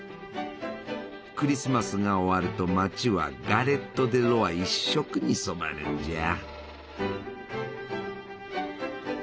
クリスマスが終わると町はガレット・デ・ロワ一色に染まるんじゃ。